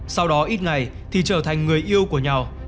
sau đó ít ngày thì trở thành người yêu của nhau